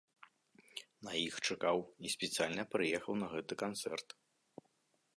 На іх чакаў, і спецыяльна прыехаў на гэты канцэрт.